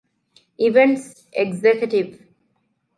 އިވެންޓްސް އެގްޒެކެޓިވް